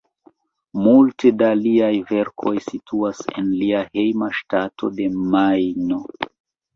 Multo da liaj verkoj situas en lia hejma ŝtato de Majno.